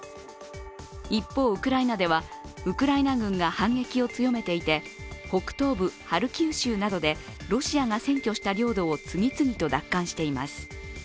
一方、ウクライナではウクライナ軍が反撃を強めていて北東部ハルキウ州などでロシアが占拠した領土を次々と奪還しています。